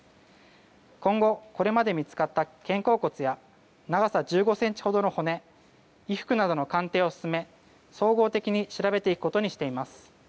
今後これまで見つかった肩甲骨や長さ１５ｃｍほどの骨衣服などの鑑定を進め総合的に調べていくことにしています。